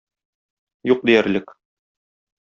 Юк диярлек.